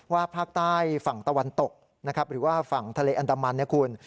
ว่าภาคใต้ฝั่งตะวันตกหรือว่าฝั่งทะเลอันตมัน